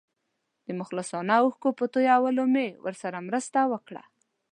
د مخلصانه اوښکو په تویولو مې ورسره مرسته وکړه.